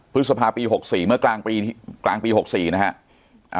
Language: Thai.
พฤษภาปี๖๔เมื่อกลางปี๖๔นะฮะ